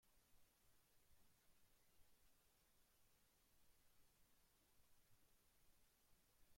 La suerte que corrieron los primeros pobladores es ignota pues no hay información disponible.